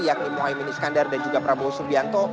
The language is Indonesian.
yakni mohaimin iskandar dan juga prabowo subianto